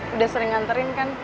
udah sering hantarin kan